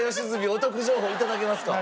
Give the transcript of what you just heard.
お得情報をいただけますか？